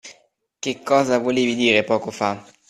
Che cosa volevi dire poco fa?